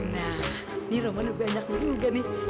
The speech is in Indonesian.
nah ini roman lebih anak lu juga nih